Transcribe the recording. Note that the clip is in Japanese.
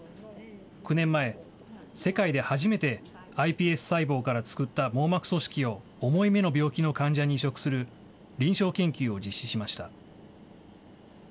９年前、世界で初めてｉＰＳ細胞から作った網膜組織を重い目の病気の患者に移植する臨床研究を実施しました。